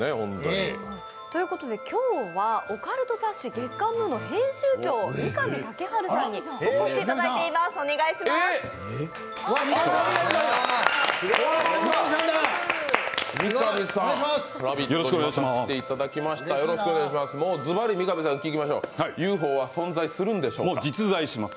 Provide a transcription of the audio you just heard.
今日はオカルト雑誌月刊「ムー」の編集長・三上丈晴さんにお越しいただいております。